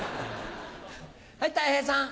はいたい平さん。